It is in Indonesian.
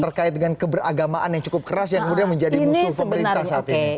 terkait dengan keberagamaan yang cukup keras yang kemudian menjadi musuh pemerintah saat ini